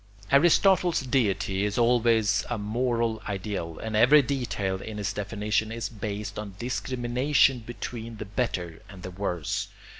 Aristotle's deity is always a moral ideal and every detail in its definition is based on discrimination between the better and the worse.